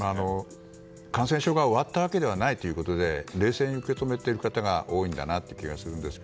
感染症が終わったわけではないということで冷静に受け止めている方が多いんだなという気がしますが。